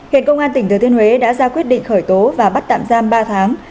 hiện công an tỉnh thừa thiên huế đã ra quyết định khởi tố và bắt tạm giam ba tháng